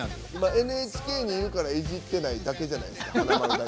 ＮＨＫにいるからいじってないだけじゃないですか。